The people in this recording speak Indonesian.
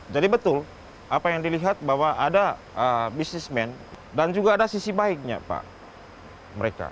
jadi betul apa yang dilihat bahwa ada bisnismen dan juga ada sisi baiknya mereka